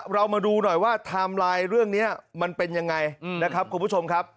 เรามาดูหน่อยว่าไทม์ไลน์เรื่องนี้มันเป็นยังไงนะครับคุณผู้ชมครับ